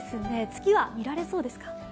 月は見られそうですか？